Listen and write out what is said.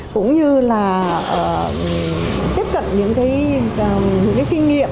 cũng như là tiếp cận những kinh nghiệm